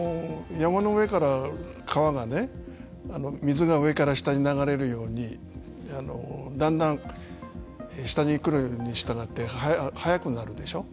山の上から川がね水が上から下に流れるようにだんだん下に来るにしたがって速くなるでしょう。